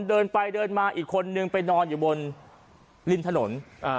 เดินไปเดินมาอีกคนนึงไปนอนอยู่บนริมถนนอ่า